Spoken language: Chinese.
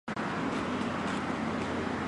山达基赞助了多种社会服务计画。